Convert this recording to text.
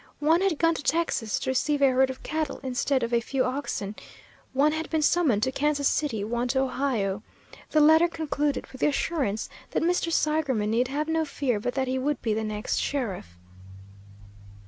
One had gone to Texas to receive a herd of cattle, instead of a few oxen, one had been summoned to Kansas City, one to Ohio. The letter concluded with the assurance that Mr. Seigerman need have no fear but that he would be the next sheriff.